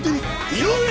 井上！